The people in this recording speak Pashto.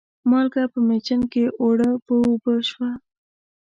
مالګه په مېچن کې اوړه و اوبه شوه.